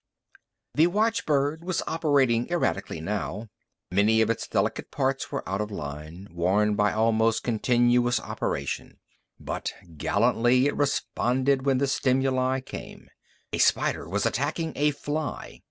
The watchbird was operating erratically now. Many of its delicate parts were out of line, worn by almost continuous operation. But gallantly it responded when the stimuli came. A spider was attacking a fly.